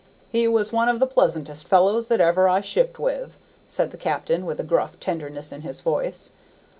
"He was one of the pleasantest fellows that ever I shipped with," said the captain, with a gruff tenderness in his voice.